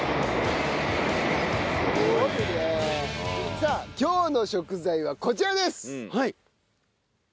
さあ今日の食材はこちらです！